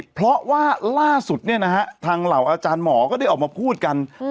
เพราะว่าล่าสุดเนี่ยนะฮะทางเหล่าอาจารย์หมอก็ได้ออกมาพูดกัน